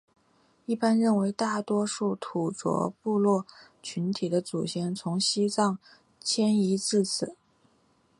一般认为大多数土着部落群体的祖先从西藏迁移到此。